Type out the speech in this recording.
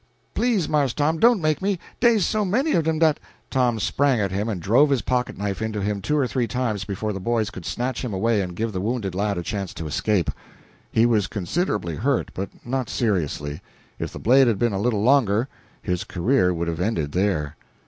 "Please, Marse Tom, don't make me! Dey's so many of 'em dat " Tom sprang at him and drove his pocket knife into him two or three times before the boys could snatch him away and give the wounded lad a chance to escape. He was considerably hurt, but not seriously. If the blade had been a little longer his career would have ended there.